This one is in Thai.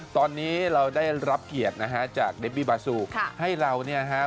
ตอนนี้เราได้รับเกียรตินะฮะจากเดบบี้บาซูให้เราเนี่ยฮะ